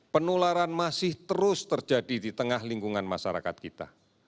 penularan masih terus terjadi di tengah lingkungan masyarakat kita